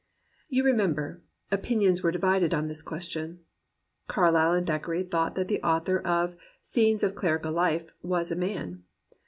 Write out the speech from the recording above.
You remem ber, opinions were divided on this question. Car lyle and Thackeray thought that the author of Scenes of Clerical Life was a man.